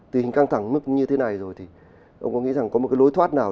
tình hình căng thẳng mức như thế này rồi thì ông có nghĩ rằng có một cái lối thoát nào